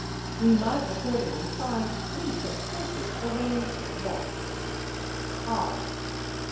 We might accordingly find three such horses arranged thus:— Odds.